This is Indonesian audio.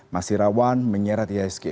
masih rawan menyerat isg